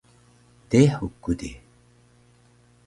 Dehuk ku di